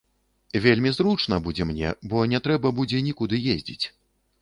Вельмі зручна будзе мне, бо не трэба будзе нікуды ездзіць.